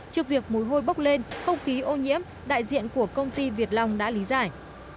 trước việc mùi hôi bốc lên không khí ô nhiễm đại diện của công ty việt long đã lý giải